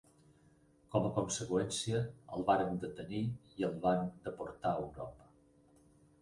Com a conseqüència, el varen detenir i el van deportar a Europa.